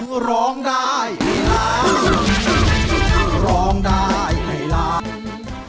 ถึงจะป่วยถึงจะไม่ค่อยแข็งแรงก็จะดูแลเธอตลอดไป